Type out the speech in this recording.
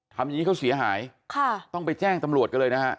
อย่างนี้เขาเสียหายค่ะต้องไปแจ้งตำรวจกันเลยนะฮะ